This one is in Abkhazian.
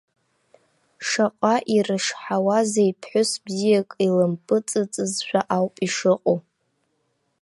Шаҟа ирышҳаузеи, ԥҳәыс бзиак илымпыҵыҵызшәа ауп ишыҟоу.